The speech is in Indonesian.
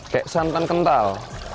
kayak santan kental